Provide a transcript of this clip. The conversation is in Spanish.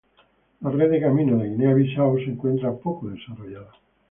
La red de caminos de Guinea-Bisáu se encuentra poco desarrollada.